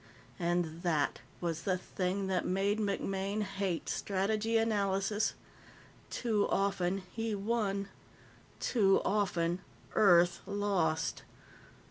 And that was the thing that made MacMaine hate Strategy Analysis. Too often, he won; too often, Earth lost.